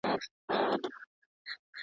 لکه قام وي د ټپوس او د بازانو.